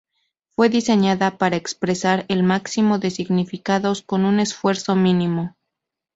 Fue diseñada para expresar el máximo de significados con un esfuerzo mínimo.